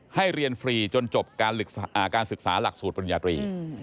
ให้เรียนฟรีจนจบการศึกษาหลักสูตรปริญญาตรี